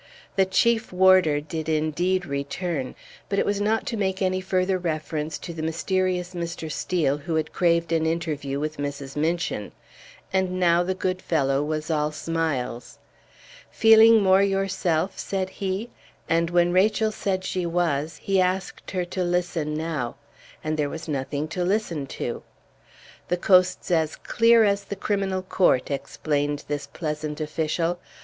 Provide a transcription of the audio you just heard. The Chief Warder did indeed return, but it was not to make any further reference to the mysterious Mr. Steel who had craved an interview with Mrs. Minchin. And now the good fellow was all smiles. "Feeling more yourself?" said he; and, when Rachel said she was, he asked her to listen now; and there was nothing to listen to. "The coast's as clear as the Criminal Court," explained this pleasant official.